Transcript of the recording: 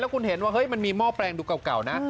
แล้วคุณเห็นว่ามันมีมอบแปลงดูเก่านะ